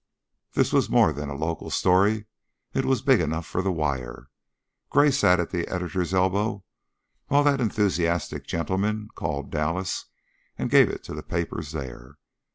This was more than a local story; it was big enough for the wire. Gray sat at the editor's elbow while that enthusiastic gentleman called Dallas and gave it to the papers there.